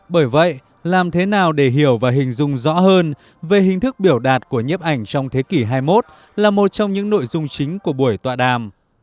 bởi vậy làm thế nào để hiểu và hình dung rõ hơn về hình thức biểu đạt của nhiếp ảnh trong thế kỷ hai mươi một là một trong những nội dung chính của buổi tọa đàm